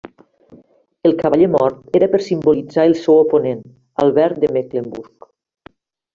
El cavaller mort era per simbolitzar el seu oponent, Albert de Mecklenburg.